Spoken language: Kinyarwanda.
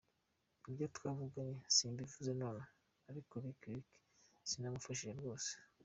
Ibyo twavuganye simbivuze nonaha ariko Lick Lick sinamufashije rwose!”.